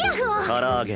唐揚げ。